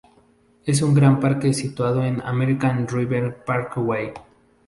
Es un gran parque situado en el American River Parkway.